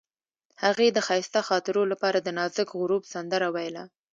هغې د ښایسته خاطرو لپاره د نازک غروب سندره ویله.